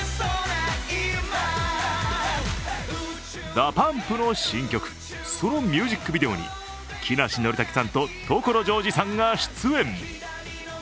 ＤＡＰＵＭＰの新曲、そのミュージックビデオに木梨憲武さんと所ジョージさんが出演。